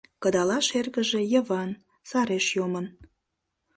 Кыдалаш эргыже, Йыван, сареш йомын.